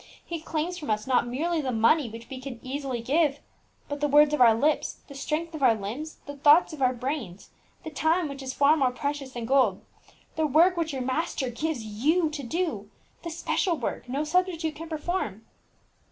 He claims from us not merely the money which we can easily give, but the words of our lips, the strength of our limbs, the thoughts of our brains, the time which is far more precious than gold. The work which your Master gives you to do, the special work, no substitute can perform."